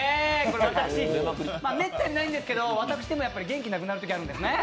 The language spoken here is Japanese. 私、めったにないんですけど、私でも元気がなくなるときあるんですね。